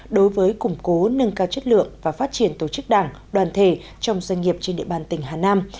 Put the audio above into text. đối với củng cố nâng cao chất lượng và phát triển tổ chức đảng đoàn thể trong doanh nghiệp trên địa bàn tỉnh hà nam